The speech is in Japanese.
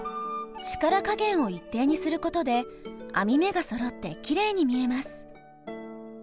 力加減を一定にすることで編み目がそろってきれいに見えます。